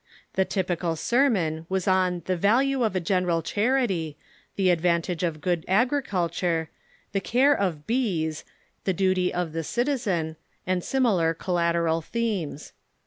The tyi^ical sermon was on the value of a geneial charity, the advantage of good agriculture, the care of bees, the duty of the citizen, and similar collateral themes.